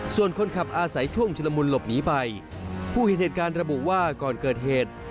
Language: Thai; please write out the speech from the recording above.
ส่วนคนขับอาศัยช่วงชุลมุนหลบหนีไปผู้เห็นเหตุการณ์ระบุว่าก่อนเกิดเหตุ